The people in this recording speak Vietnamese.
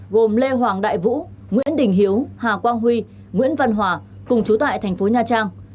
gồm lê hoàng đại vũ nguyễn đình hiếu hà quang huy nguyễn văn hòa cùng chú tại thành phố nha trang